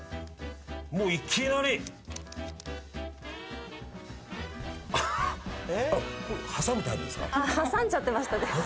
もういきなり。挟んじゃってましたね。